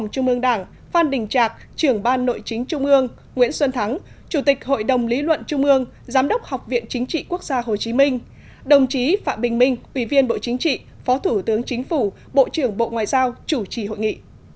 trung ương nguyễn xuân thắng chủ tịch hội đồng lý luận trung ương giám đốc học viện chính trị quốc gia hồ chí minh đồng chí phạm bình minh ủy viên bộ chính trị phó thủ tướng chính phủ bộ trưởng bộ ngoại giao chủ trì hội nghị